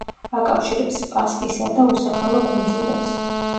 აკავშირებს სპასკისა და უსახელო კუნძულებს.